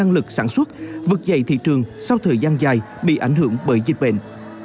tăng lực sản xuất vực dày thị trường sau thời gian dài bị ảnh hưởng bởi dịch bệnh